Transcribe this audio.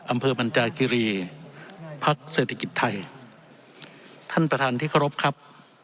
อำเภอบรรจาคิรีภักดิ์เศรษฐกิจไทยท่านประธานที่เคารพครับ